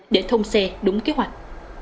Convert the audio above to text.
để thông xe đúng kế hoạch